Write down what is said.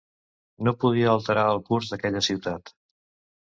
No podia alterar el curs d'aquella ciutat.